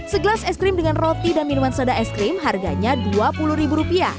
segelas es krim dengan roti dan minuman soda es krim harganya rp dua puluh